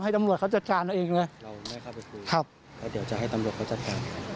ให้ตำลวดเขาจัดการเองเลยเราไม่เข้าไปคุยครับเดี๋ยวจะให้ตำลวดเขาจัดการ